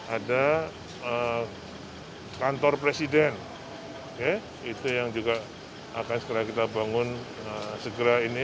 ada kantor presiden itu yang juga akan segera kita bangun segera ini